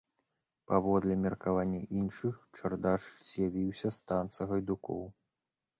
Паводле меркавання іншых, чардаш з'явіўся з танца гайдукоў.